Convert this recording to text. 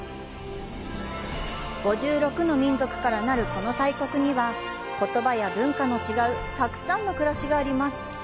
５６の民族からなるこの大国には、言葉や文化の違うたくさんの暮らしがあります。